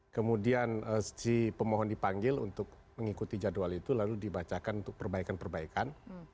kemudian si pemohon dipanggil untuk mengikuti jadwal itu lalu dibacakan untuk perbaikan perbaikan